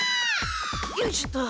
よいしょっと。